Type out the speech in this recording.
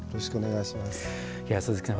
鈴木さん